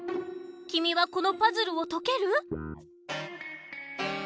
きみはこのパズルをとける？